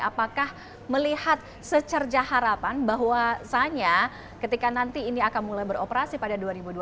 apakah melihat secerca harapan bahwasannya ketika nanti ini akan mulai beroperasi pada dua ribu dua puluh